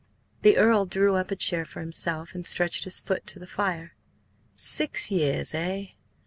The Earl drew up a chair for himself and stretched his foot to the fire. "Six years, eh?